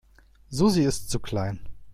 Susi ist zu klein.